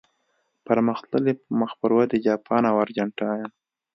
پرمختللي، مخ پر ودې، جاپان او ارجنټاین.